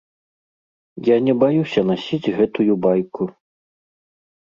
Я не баюся насіць гэтую байку.